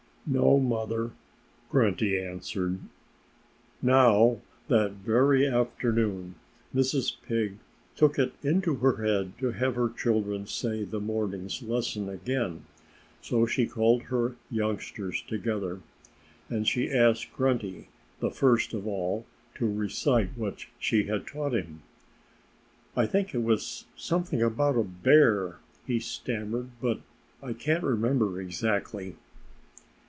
"No, Mother!" Grunty answered. Now, that very afternoon Mrs. Pig took it into her head to have her children say the morning's lesson again. So she called her youngsters together. And she asked Grunty the first of all to recite what she had taught him. "I think it was something about a bear," he stammered, "but I can't remember exactly."